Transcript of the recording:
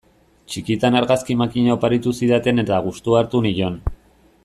Txikitan argazki makina oparitu zidaten eta gustua hartu nion.